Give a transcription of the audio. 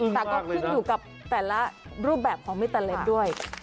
แต่ก็ติดกับแต่ละรูปแบบของมิตรเล็กด้วย